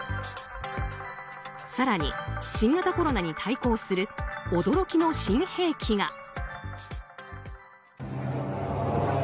更に、新型コロナに対抗する驚きの新兵器が。